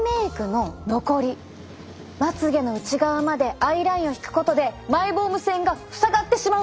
まつ毛の内側までアイラインを引くことでマイボーム腺が塞がってしまうんです！